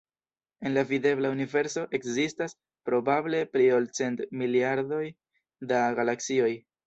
En la videbla universo ekzistas probable pli ol cent miliardoj da galaksioj.